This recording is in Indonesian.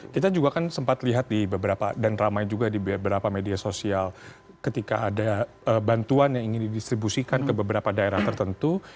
kita juga kan sempat lihat di beberapa dan ramai juga di beberapa media sosial ketika ada bantuan yang ingin didistribusikan ke beberapa daerah tertentu